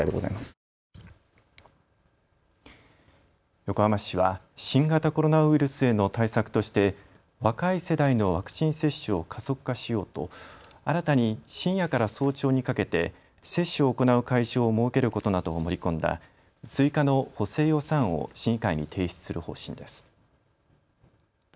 横浜市は新型コロナウイルスへの対策として若い世代のワクチン接種を加速化しようと新たに深夜から早朝にかけて接種を行う会場を設けることなどを盛り込んだ追加の補正予算を市議会に提出する方針です。